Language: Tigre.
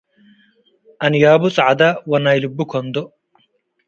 አንያቡ ጻዕደ ወናይ ልቡ ከንዶእ።